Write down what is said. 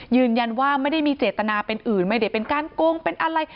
ยืนยันว่าไม่ได้มีเจตนาเป็นอื่นไม่ได้เป็นการโกงเป็นอะไร